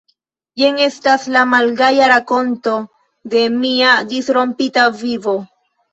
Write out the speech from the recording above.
Jen estas la malgaja rakonto de mia disrompita vivo.